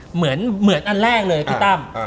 เหมือนอันแรกเลยพี่ตั้ม